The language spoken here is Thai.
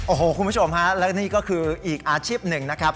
โอ้โหคุณผู้ชมฮะและนี่ก็คืออีกอาชีพหนึ่งนะครับ